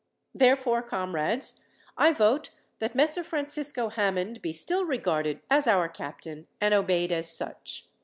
"Therefore, comrades, I vote that Messer Francisco Hammond be still regarded as our captain, and obeyed as such."